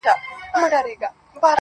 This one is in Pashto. خو د غوجلې ځای لا هم چوپ او خالي دی,